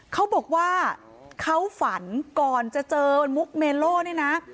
เขาบอกว่าเขาฝันก่อนจะเจอมุกเมโล่เนี่ยนะ